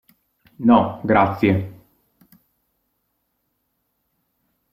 No, grazie".